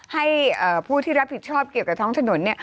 ให้ผู้ที่รับผิดชอบเกี่ยวกับท้องถนน